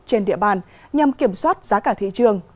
trên địa bàn nhằm kiểm soát giá cả thị trường